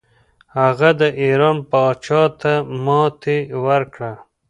هغه د ایران پاچا ته ماتې ورکړه.